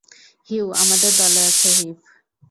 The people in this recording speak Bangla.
হিউ আমাদের দলে আছে, হুইপ।